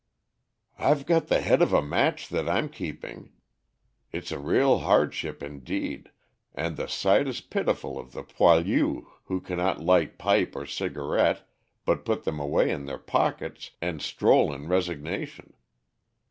"I've got the head of a match that I'm keeping." It is a real hardship indeed, and the sight is pitiful of the poilus who cannot light pipe or cigarette but put them away in their pockets and stroll in resignation.